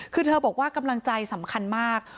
คือเธอบอกว่ากำลังใจสำคัญมาก